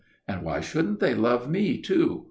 And why shouldn't they love me, too?